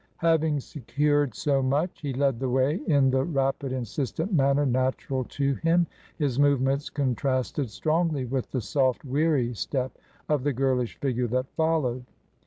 Having secured so much, he led the way in the rapid insistent manner natural to him. His movements con trasted strongly with the soft, weary step of the girlish figure that followed.